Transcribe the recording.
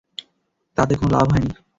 তাতে কোনো লাভ হয়নি।